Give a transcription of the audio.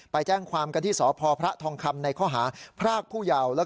ไปแจ้งความกันที่สพพระทองคำในข้อหาพรากผู้เยาว์